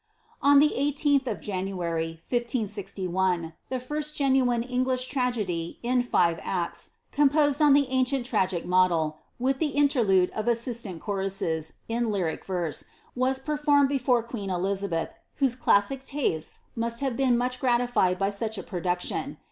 On the 18th of January, 1561, the first genuine English tragedy, m five actfi, composed on the ancient tragic model, with the interlude of assistant choruses, in lyric verse, was performed before queen Elizabeth, whose classic uistes must have been much gratified by such a produc tion.